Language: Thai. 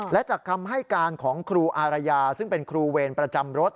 และจากคำให้การของครูอารยาซึ่งเป็นครูเวรประจำรถ